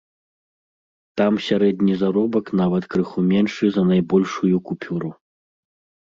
Там сярэдні заробак нават крыху меншы за найбольшую купюру!